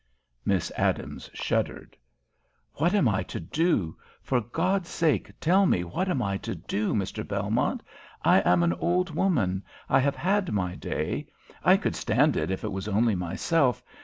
Miss Adams shuddered. "What am I to do? For God's sake, tell me what I am to do, Mr. Belmont! I am an old woman. I have had my day. I could stand it if it was only myself.